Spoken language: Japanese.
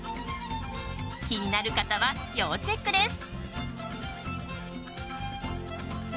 気になる方は要チェックです。